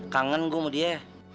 kangen gua sama dia